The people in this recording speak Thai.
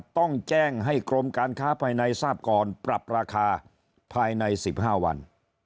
ต้องแจ้งให้กรมการค้าภายในทราบก่อนปรับราคาภายใน๑๕วัน